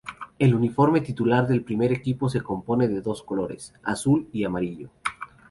El uniforme titular del primer equipo se compone de dos colores: azul y amarillo.